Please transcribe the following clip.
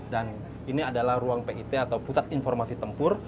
dan ini adalah ruang pit atau pusat informasi tempur